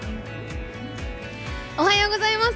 おはようございます。